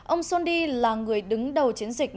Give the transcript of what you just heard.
ông sondi là người đứng đầu chiến dịch